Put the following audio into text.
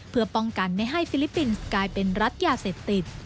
เพื่อป้องกันไม่ให้ฟิลิปปินส์กลายเป็นรัฐยาเสพติด